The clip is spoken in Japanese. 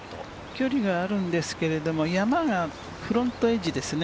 距離があるんですけれども、山がフロントエッジですね。